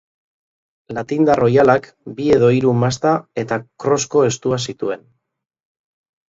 Latindar oihalak, bi edo hiru masta eta krosko estua zituen.